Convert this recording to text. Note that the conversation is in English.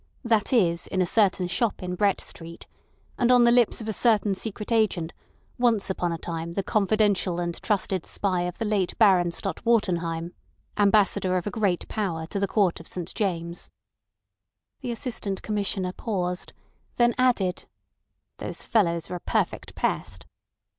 That is in a certain shop in Brett Street, and on the lips of a certain secret agent once upon a time the confidential and trusted spy of the late Baron Stott Wartenheim, Ambassador of a Great Power to the Court of St James." The Assistant Commissioner paused, then added: "Those fellows are a perfect pest."